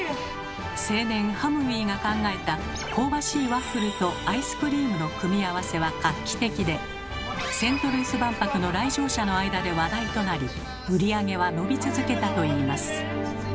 青年ハムウィが考えた香ばしいワッフルとアイスクリームの組み合わせは画期的でセントルイス万博の来場者の間で話題となり売り上げは伸び続けたといいます。